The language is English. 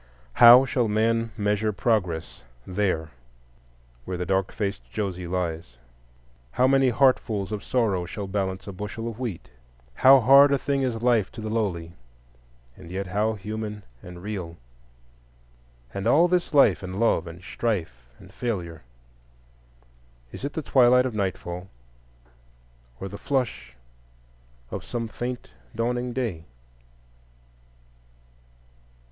How shall man measure Progress there where the dark faced Josie lies? How many heartfuls of sorrow shall balance a bushel of wheat? How hard a thing is life to the lowly, and yet how human and real! And all this life and love and strife and failure,—is it the twilight of nightfall or the flush of some faint dawning day?